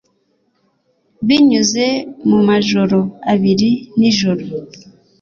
Binyuze mumajoro abiri nijoro